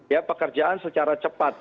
ya pekerjaan secara cepat